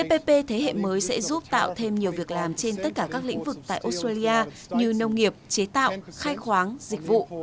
tpp sẽ tạo ra một lợi ích kinh tế để tạo thêm nhiều việc làm trên tất cả các lĩnh vực tại australia như nông nghiệp chế tạo khai khoáng dịch vụ